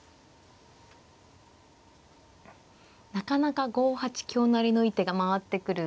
なかなか５八香成の一手が回ってくる。